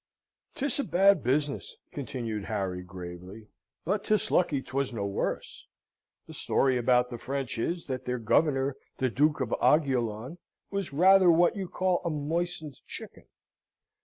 "'Tis a bad business," continued Harry, gravely; "but 'tis lucky 'twas no worse. The story about the French is, that their Governor, the Duke of Aiguillon, was rather what you call a moistened chicken.